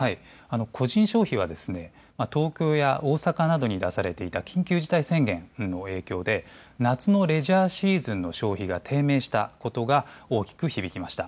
個人消費は東京や大阪などに出されていた緊急事態宣言の影響で夏のレジャーシーズンの消費が低迷したことが大きく響きました。